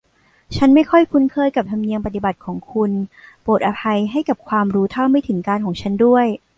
ฉันไม่ค่อยคุ้นเคยกับธรรมเนียมปฏิบัติของคุณ โปรดอภัยให้กับความรู้เท่าไม่ถึงการณ์ของฉันด้วย